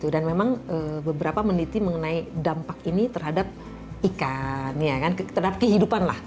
dan memang beberapa meneliti mengenai dampak ini terhadap ikan terhadap kehidupan